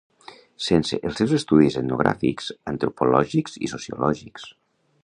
Sense els seus estudis etnogràfics, antropològics i sociològics.